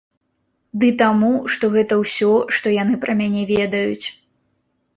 Ды таму, што гэта ўсё, што яны пра мяне ведаюць.